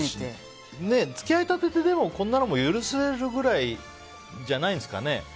付き合いたてってでも、こんなのも許せるくらいじゃないんですかね。